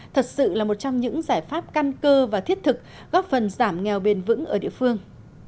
thật sự là một trong những giải pháp căn cơ và thiết thực góp phần giảm nghèo bền vững ở địa phương